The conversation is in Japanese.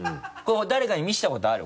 誰かに見せたことある？